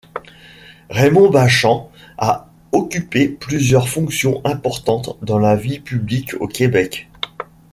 Raymond Bachand a occupé plusieurs fonctions importantes dans la vie publique au Québec.